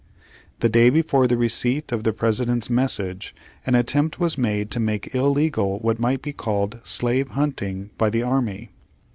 The day before the receipt of the President's message, an attempt was made to make illegal what might be called "slave hunting" by the army.